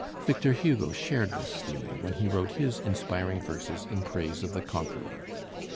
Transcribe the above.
Victor Hugo shared this feeling when he wrote his inspiring verses in praise of the conqueror.